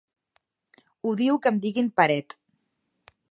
Odio que em diguin Peret.